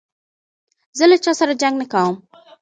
زه له چا سره جنګ نه کوم.